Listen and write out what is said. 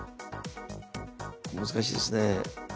難しいですね。